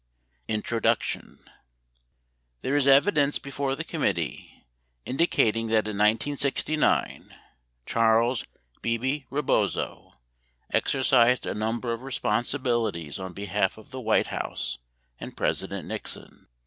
Introduction There is evidence before the committee indicating that in 1969 Charles (Bebe) Rebozo exercised a number of responsibilities on be half of the White House and President Nixon.